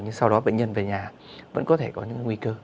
nhưng sau đó bệnh nhân về nhà vẫn có thể có những nguy cơ